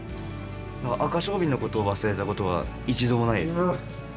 アカショウビンのことを忘れたことは一度もないです。